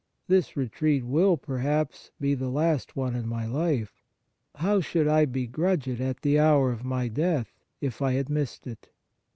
This retreat will, per haps, be the last one in my life ; how should I begrudge it, at the hour of my death, if I had missed it